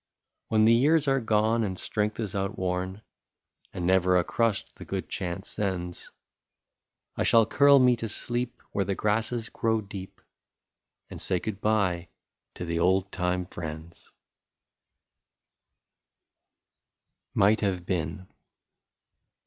And when years are gone and strength is outworn, And never a crust the good chance sends, I shall curl me to sleep where the grasses grow^ deep. And say good bye to the old time friends. lis MIGHT HAVE BEEN.